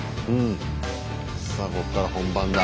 さあこっから本番だ。